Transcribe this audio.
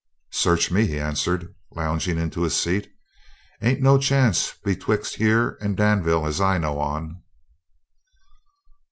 "Search me," he answered, lounging into a seat. "Ain't no chance betwixt here and Danville as I knows on."